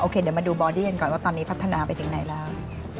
เดี๋ยวมาดูบอดี้กันก่อนว่าตอนนี้พัฒนาไปถึงไหนแล้ว